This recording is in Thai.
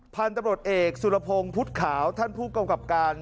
พันธุ์ตำรวจเอกสุรพงศ์พุทธขาวท่านผู้กำกับการ